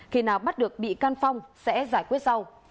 khi nào bắt được bị can phong sẽ giải quyết sau